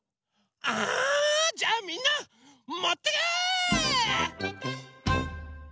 あじゃあみんなもってけ！